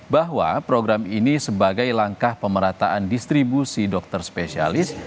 bahwa program ini sebagai langkah pemerataan distribusi dokter spesialis